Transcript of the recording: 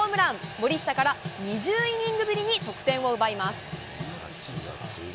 森下から２０イニングぶりに得点を奪います。